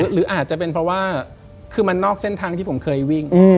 หรืออาจจะเป็นเพราะว่าคือมันนอกเส้นทางที่ผมเคยวิ่ง